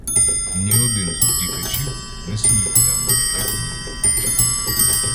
Ні один з утікачів не смів глянути гетьманові в очі.